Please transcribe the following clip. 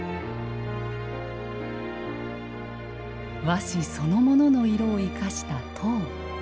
和紙そのものの色を生かした塔。